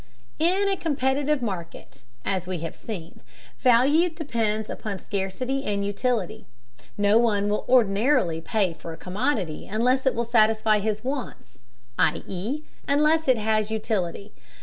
In a competitive market, as we have seen, value depends upon scarcity and utility. No one will ordinarily pay for a commodity unless it will satisfy his wants, i.e. unless it has utility.